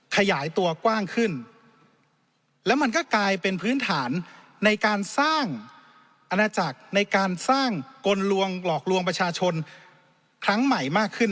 ขยายตัวกว้างขึ้นแล้วมันก็กลายเป็นพื้นฐานในการสร้างอาณาจักรในการสร้างกลลวงหลอกลวงประชาชนครั้งใหม่มากขึ้น